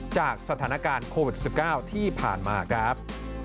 จากสถานการณ์โควิด๑๙ที่ผ่านมาครับ